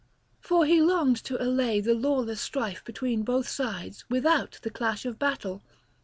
For he longed to allay the lawless strife between both sides without the clash of battle.